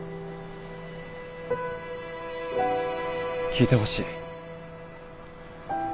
聞いてほしい。